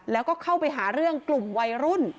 แล้วก็เข้าไปหาเรื่องกลุ่มวัยรุ่น